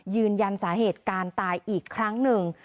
ยืนยันสาเหตุการตายอีกครั้งหนึ่ง